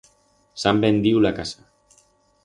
S'han vendiu la casa.